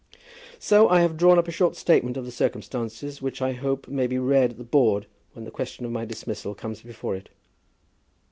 "So I have drawn up a short statement of the circumstances, which I hope may be read at the Board when the question of my dismissal comes before it."